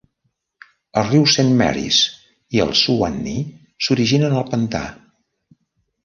El riu Saint Marys i el Suwannee s'originen al pantà.